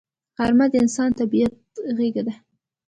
غرمه د انساني طبیعت غېږه ده